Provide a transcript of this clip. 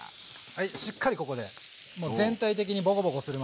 しっかりここで全体的にボコボコするまで。